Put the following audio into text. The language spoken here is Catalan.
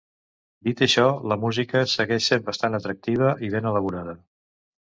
Dit això, la música segueix sent bastant atractiva i ben elaborada.